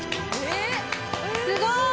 すごい！